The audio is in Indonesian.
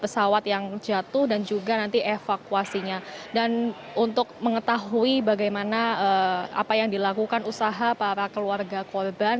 pesawat yang jatuh dan juga nanti evakuasinya dan untuk mengetahui bagaimana apa yang dilakukan usaha para keluarga korban